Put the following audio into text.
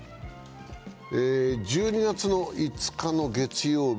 １２月５日の月曜日。